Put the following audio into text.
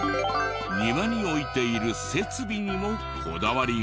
庭に置いている設備にもこだわりが。